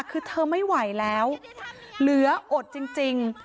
คือเธอไม่ไหวแล้วเหลืออดจริง